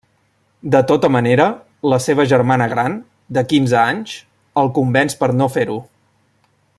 De tota manera, la seva germana gran, de quinze anys, el convenç per no fer-ho.